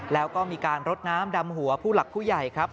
แล้วก็มีการรดน้ำดำหัวผู้หลักผู้ใหญ่ครับ